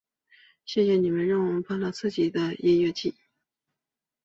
谢谢你们让我们办了自己的音乐祭！